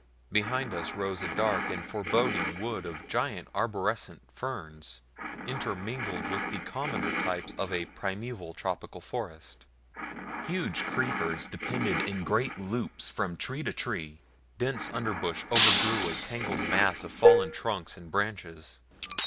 Behind us rose a dark and forbidding wood of giant arborescent ferns intermingled with the commoner types of a primeval tropical forest. Huge creepers depended in great loops from tree to tree, dense under brush overgrew a tangled mass of fallen trunks and branches.